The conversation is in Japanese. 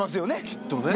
きっとね。